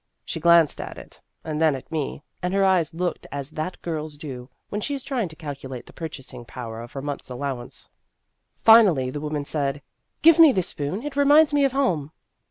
She glanced at it, and then at me, and her eyes looked as that girl's do when she is trying to calculate the purchasing power of her month's allow ance. Finally the woman said :" Give me the spoon. It reminds me of home."